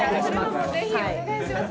ぜひお願いします